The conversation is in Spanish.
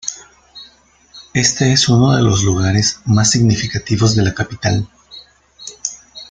Este es uno de los lugares más significativos de la capital.